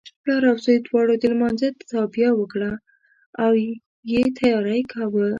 پلار او زوی دواړو د لمانځه تابیا وکړه او یې تیاری کاوه.